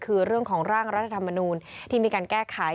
คือเรื่องของร่างรัฐธรรมนูลที่มีการแก้ไข